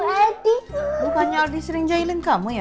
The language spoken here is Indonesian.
bukannya adi sering jahilin kamu ya bukannya adi sering jahilin kamu ya